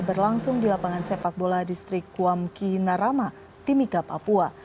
berlangsung di lapangan sepak bola distrik kuamki narama timika papua